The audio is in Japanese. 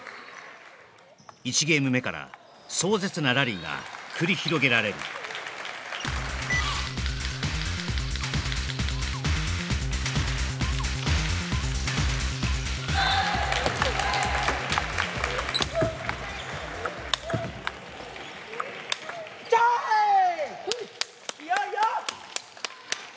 １ゲーム目から壮絶なラリーが繰り広げられるチョーイいいよいいよ！